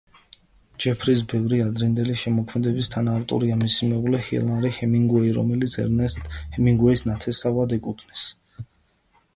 ჯეფრის ბევრი ადრინდელი შემოქმედების თანაავტორია მისი მეუღლე ჰილარი ჰემინგუეი, რომელიც ერნესტ ჰემინგუეის ნათესავად ეკუთვნის.